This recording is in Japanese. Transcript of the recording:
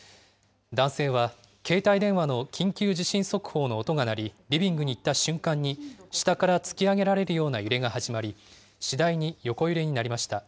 男性は、携帯電話の緊急地震速報の音が鳴り、リビングに行った瞬間に下から突き上げられるような揺れが始まり、しだいに横揺れになりました。